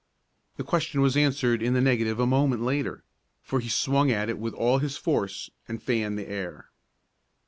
The question was answered in the negative a moment later, for he swung at it with all his force and fanned the air.